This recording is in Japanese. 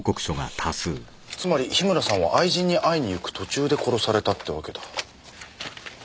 つまり樋村さんは愛人に会いに行く途中で殺されたってわけだ。